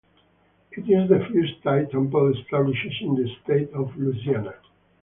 It is the first Thai temple established in the state of Louisiana.